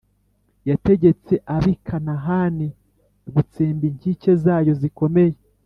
yategetse ab’i Kanahani gutsemba inkike zayo zikomeye.